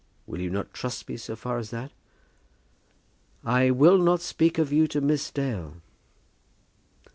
Will you not trust me so far as that?" "I will not speak of you to Miss Dale."